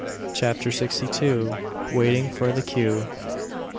CHAPTER SIXTY TWO. WAITING FOR THE CUE.